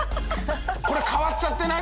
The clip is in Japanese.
これ変わっちゃってない？